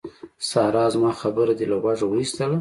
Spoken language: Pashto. سارا! زما خبره دې له غوږه واېستله.